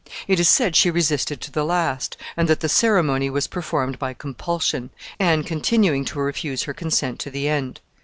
It is said she resisted to the last, and that the ceremony was performed by compulsion, Anne continuing to refuse her consent to the end.